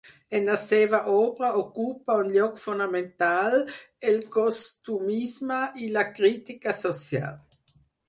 En la seva obra ocupa un lloc fonamental el costumisme i la crítica social.